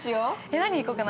何行こうかな。